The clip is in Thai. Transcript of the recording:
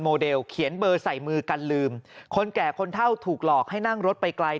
เดลเขียนเบอร์ใส่มือกันลืมคนแก่คนเท่าถูกหลอกให้นั่งรถไปไกล